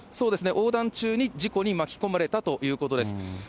横断中に事故に巻き込まれたということです。